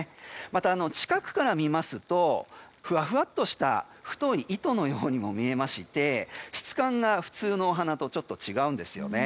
また、近くで見ますとふわふわとした太い糸のようにも見えまして質感が普通の花とはちょっと違うんですよね。